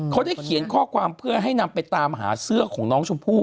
เขาได้เขียนข้อความเพื่อให้นำไปตามหาเสื้อของน้องชมพู่